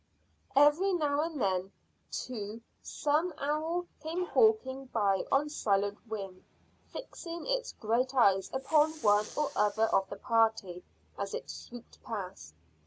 Every now and then too some owl came hawking by on silent wing, fixing its great eyes upon one or other of the party as it swooped past.